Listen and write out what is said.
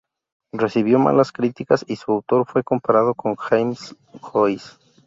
Recibió malas críticas y su autor fue comparado con James Joyce.